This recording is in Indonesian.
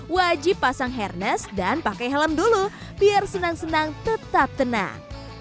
wajib pasang hairness dan pakai helm dulu biar senang senang tetap tenang